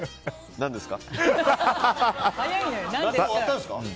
何ですか？